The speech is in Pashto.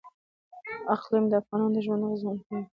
اقلیم د افغانانو ژوند اغېزمن کوي.